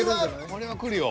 これはくるよ。